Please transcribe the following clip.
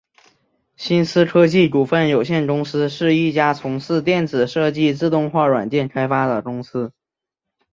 新思科技股份有限公司是一家从事电子设计自动化软件开发的公司。